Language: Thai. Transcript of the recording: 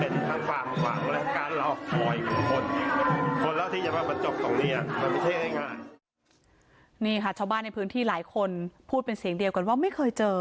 นี่ค่ะชาวบ้านในพื้นที่หลายคนพูดเป็นเสียงเดียวกันว่าไม่เคยเจอ